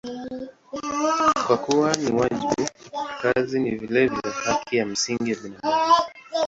Kwa kuwa ni wajibu, kazi ni vilevile haki ya msingi ya binadamu.